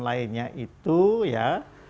lainnya itu ya